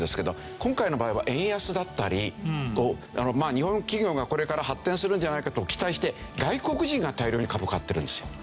日本企業がこれから発展するんじゃないかと期待して外国人が大量に株を買ってるんですよ。